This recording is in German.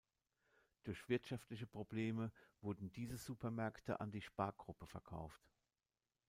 Durch wirtschaftliche Probleme wurden diese Supermärkte an die Spar-Gruppe verkauft.